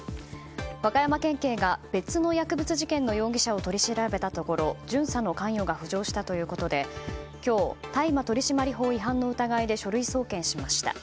和歌山県警が別の薬物事件の容疑者を取り調べたところ巡査の関与が浮上したということで今日、大麻取締法違反の疑いで書類送検しました。